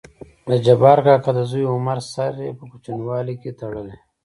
دجبار کاکا دزوى عمر سره په کوچينوالي کې تړلى.